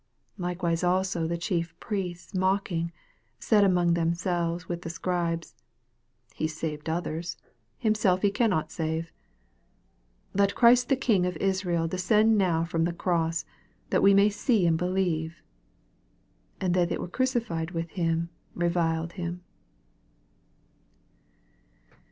31 Likewise also the Chief Priests mocking said among themselves with the Scribes, He sa\ ed others ; hirnseli he canuot save. 32 Let Christ the King of Israel descend now from the cross, that we may see and believe. And they that were crucified with him reviled him.